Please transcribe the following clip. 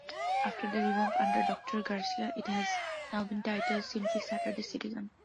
After the revamp under Doctor Garcia it has now been titled simply Saturday Citizen.